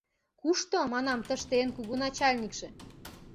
— Кушто, манам, тыште эн кугу начальникше?